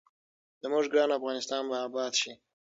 زموږ ګران افغانستان به اباد شي.